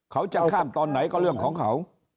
เขาจะข้ามตอนไหนก็เรื่องของเขา